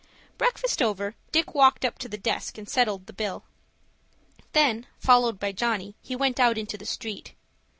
Breakfast over, Dick walked up to the desk, and settled the bill. Then, followed by Johnny, he went out into the street.